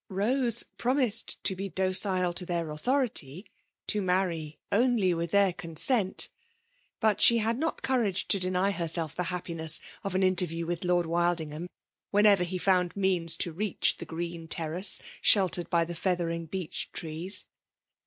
Rose pro n3 274 FEMALE DOMUIATION. mised to be docile to their authority, — to marry «aly with their consent ; but she had not eoorage to deny herself the happineK cf an interview with Lord Wildingfaam, whenever he found means to reach the ^een terraoe diel tored by the feathering beech tiees.